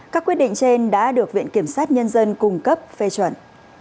các quyết định trên đã được viện kiểm sát nhân dân cung cấp phê chuẩn